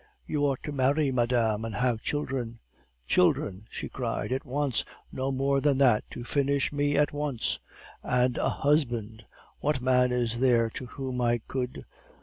"'You ought to marry, madame, and have children.' "'Children!' she cried; 'it wants no more than that to finish me at once; and a husband! What man is there to whom I could